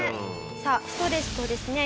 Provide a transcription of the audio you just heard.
さあストレスとですね